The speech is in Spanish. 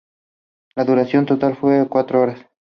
La duración total fue de cuatro horas.